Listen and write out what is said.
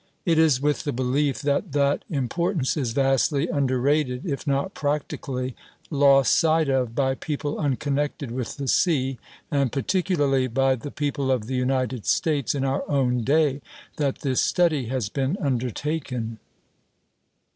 It is with the belief that that importance is vastly underrated, if not practically lost sight of, by people unconnected with the sea, and particularly by the people of the United States in our own day, that this study has been undertaken.